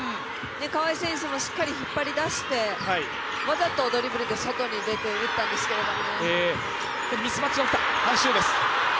川井選手もしっかり引っ張り出してわざとドリブルで外に出て打ったんですけれども。